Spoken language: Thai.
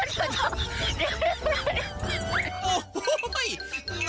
เดี๋ยว